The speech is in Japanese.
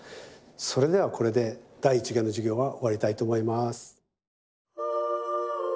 それではこれで第１限の授業は終わりたいと思います。